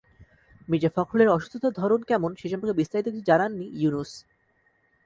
মির্জা ফখরুলের অসুস্থতার ধরন কেমন, সে সম্পর্কে বিস্তারিত কিছু জানাননি ইউনুস।